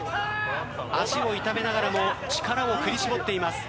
足を痛めながらも力を振り絞っています。